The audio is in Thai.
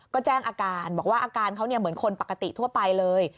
ก็แจ้งอาการบอกว่าอาการเขาเหมือนคนปกติทั่วไปเลย